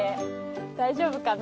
大丈夫かな？